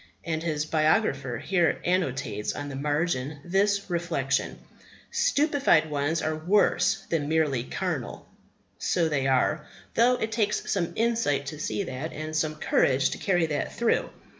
And his biographer here annotates on the margin this reflection: "Stupefied ones are worse than merely carnal." So they are; though it takes some insight to see that, and some courage to carry that through.